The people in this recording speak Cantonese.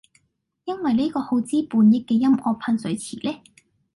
因為呢個耗資半億嘅音樂噴水池呢